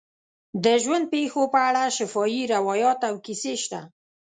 د ژوند پېښو په اړه شفاهي روایات او کیسې شته.